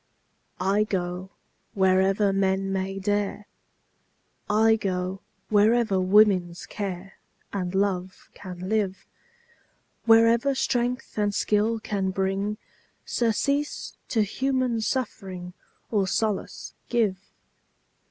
I go wherever men may dare, I go wherever woman's care And love can live, Wherever strength and skill can bring Surcease to human suffering, Or solace give.